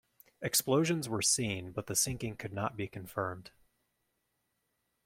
Explosions were seen, but the sinking could not be confirmed.